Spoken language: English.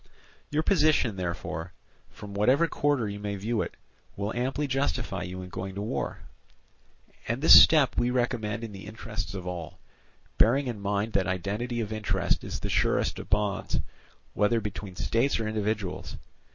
"Your position, therefore, from whatever quarter you may view it, will amply justify you in going to war; and this step we recommend in the interests of all, bearing in mind that identity of interest is the surest of bonds, whether between states or individuals.